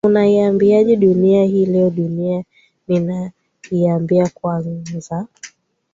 unaiambiaje dunia hii leo dunia ninaiambia kwanza